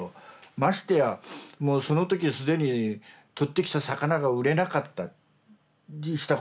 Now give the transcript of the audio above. ましてやもうその時既にとってきた魚が売れなかったりしたことがあったもんだから。